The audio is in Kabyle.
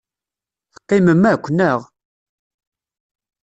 Teqqimem akk, naɣ?